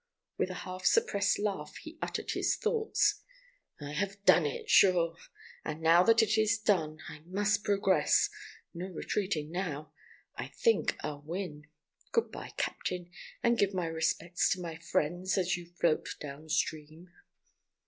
With a half suppressed laugh he uttered his thoughts: "I have done it, sure; and now that it is done, I must progress—no retreating now. I think I'll win. Good by, captain, and give my respects to my friends as you float downstream."